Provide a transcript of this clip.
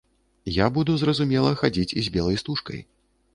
Я буду, зразумела, хадзіць з белай стужкай.